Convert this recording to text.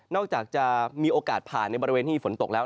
อกจากจะมีโอกาสผ่านในบริเวณที่ฝนตกแล้ว